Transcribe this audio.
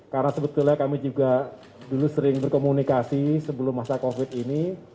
karena sebetulnya kami juga dulu sering berkomunikasi sebelum masa covid ini